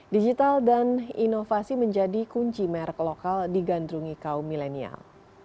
digital dan inovasi menjadi kunci merek lokal digandrungi kaum milenial